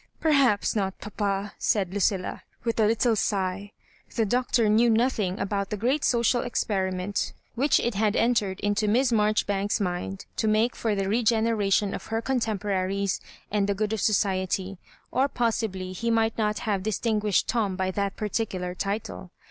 " Perhaps not, papa," said Lucilla, vsrith a lit tle sigh. The Doctor knew nothing about the great social experiment which it had entered into Miss Marjoribanks*s mind to make for the regeneration of her contemporaries arid the good of society, or possibly he might not have distin guished Tom by that particular title.